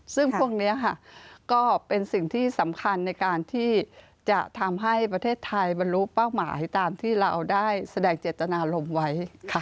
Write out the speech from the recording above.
ซึ่งพวกนี้ค่ะก็เป็นสิ่งที่สำคัญในการที่จะทำให้ประเทศไทยบรรลุเป้าหมายตามที่เราได้แสดงเจตนารมณ์ไว้ค่ะ